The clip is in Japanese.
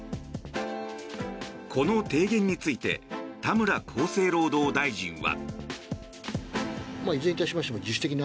この提言について田村厚生労働大臣は。